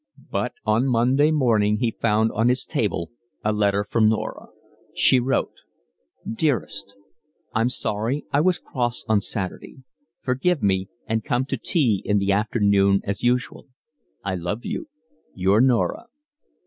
But on Monday morning he found on his table a letter from Norah. She wrote: Dearest, I'm sorry I was cross on Saturday. Forgive me and come to tea in the afternoon as usual. I love you. Your Norah.